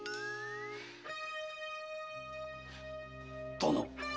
殿！